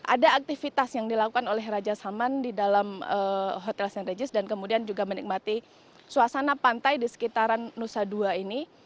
ada aktivitas yang dilakukan oleh raja salman di dalam hotel st regis dan kemudian juga menikmati suasana pantai di sekitaran nusa dua ini